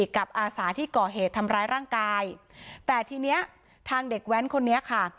อาสาที่ก่อเหตุทำร้ายร่างกายแต่ทีเนี้ยทางเด็กแว้นคนนี้ค่ะ